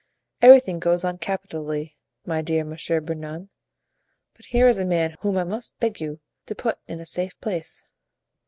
"Everything goes on capitally, my dear Monsieur Bernouin, but here is a man whom I must beg you to put in a safe place."